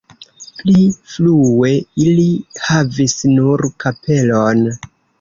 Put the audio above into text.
Pli frue ili havis nur kapelon.